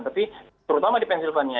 tapi terutama di pennsylvania